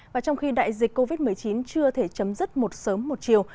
và trong khi đại dịch covid một mươi chín chưa thể chấm dứt một sớm một chiều